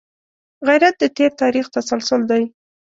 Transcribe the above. غیرت د تېر تاریخ تسلسل دی